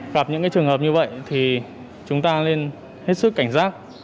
gặp những trường hợp như vậy thì chúng ta nên hết sức cảnh giác